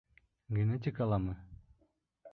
Генетикаламы?